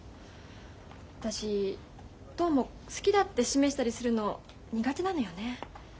私どうも好きだって示したりするの苦手なのよね。